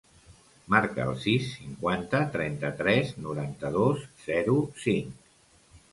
Marca el sis, cinquanta, trenta-tres, noranta-dos, zero, cinc.